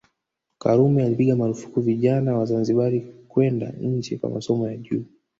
Karume alipiga marufuku vijana wa Kizanzibari kwenda nje kwa masomo ya juu